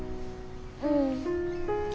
うん。